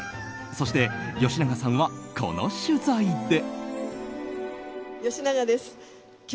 そして、吉永さんはこの取材で。